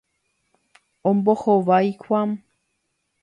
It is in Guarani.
Ombohovái Juan.